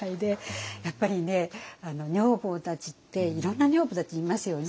やっぱりね女房たちっていろんな女房たちいますよね。